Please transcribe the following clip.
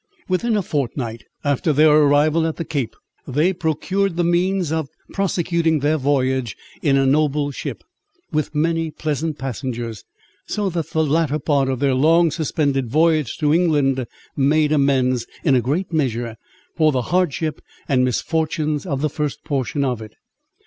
Within a fortnight after their arrival at the Cape, they procured the means of prosecuting their voyage in a noble ship, with many pleasant passengers; so that the latter part of their long suspended voyage to England made amends, in a great measure, for the hardships and misfortunes of the first portion of it.